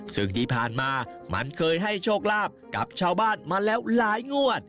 ซึ่งที่ผ่านมามันเคยให้โชคลาภกับชาวบ้านมาแล้วหลายงวด